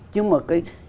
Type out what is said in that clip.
nhưng mà cái